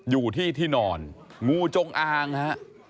อยู่ที่ที่นอนงูจงอางฮะ